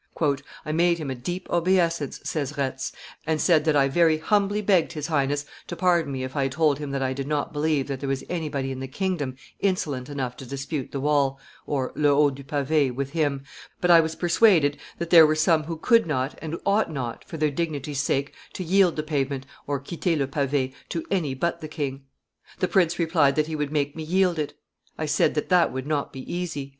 "I made him a deep obeisance," says Retz, "and said that, I very humbly begged his Highness to pardon me if I told him that I did not believe that there was anybody in the kingdom insolent enough to dispute the wall (le haut du pave) with him, but I was persuaded that there were some who could not and ought not, for their dignity's sake, to yield the pavement (quitter le pave) to any but the king. The prince replied that he would make me yield it. I said that that would not be easy."